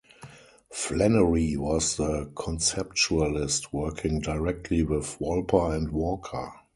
Flannery was the conceptualist working directly with Wolper and Walker.